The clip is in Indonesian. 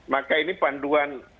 maka ini panduan